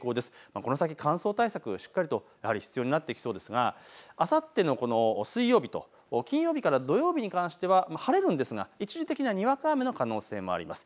この先、乾燥対策、しっかりと必要になってきそうですがあさっての水曜日と金曜日から土曜日に関しては晴れるんですが一時的なにわか雨の可能性もあります。